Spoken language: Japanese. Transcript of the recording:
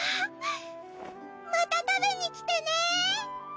また食べに来てね！